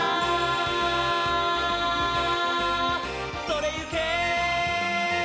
「それゆけ！」